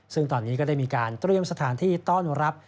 ซึ่งตอนนี้ก็ได้มีการเตรียมสถานที่ต้อนรับ